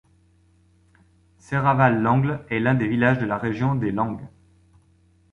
Serravalle L angle est l'un des villages de la région des Langhe.